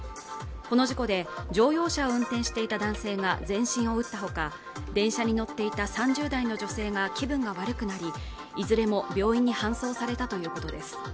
この事故で乗用車を運転していた男性が全身を打ったほか電車に乗っていた３０代の女性が気分が悪くなりいずれも病院に搬送されたということです